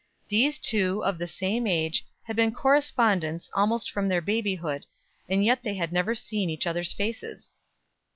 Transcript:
These two, of the same age, had been correspondents almost from their babyhood; and yet they had never seen each other's faces.